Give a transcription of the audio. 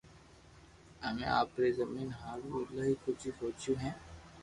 امي پري زبين ھارون ايلايو ڪجھ سوچيو ھي